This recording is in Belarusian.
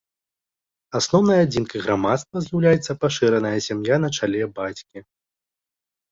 Асноўнай адзінкай грамадства з'яўляецца пашыраная сям'я на чале бацькі.